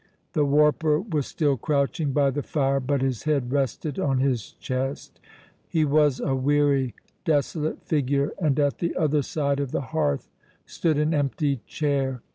The warper was still crouching by the fire, but his head rested on his chest; he was a weary, desolate figure, and at the other side of the hearth stood an empty chair.